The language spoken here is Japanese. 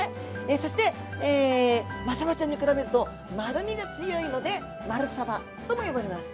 そしてマサバちゃんに比べると丸みが強いので丸さばとも呼ばれます。